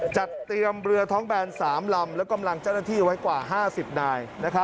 จัดเตรียมเรือท้องแบน๓ลำและกำลังเจ้าหน้าที่ไว้กว่า๕๐นาย